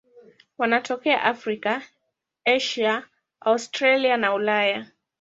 Wanatokea Afrika, Asia, Australia na Ulaya.